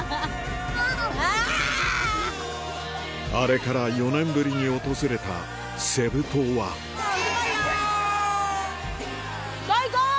あれから４年ぶりに訪れたセブ島は最高！